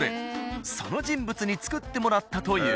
その人物につくってもらったという。